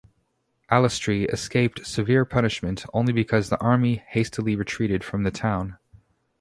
Allestree escaped severe punishment only because the army hastily retreated from the town.